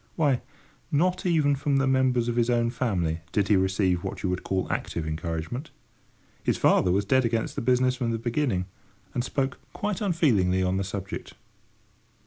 Why, not even from the members of his own family did he receive what you could call active encouragement. His father was dead against the business from the beginning, and spoke quite unfeelingly on the subject.